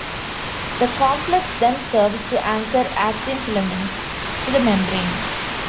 The complex then serves to anchor actin filaments to the membrane.